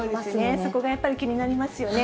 そこがやっぱり気になりますよね。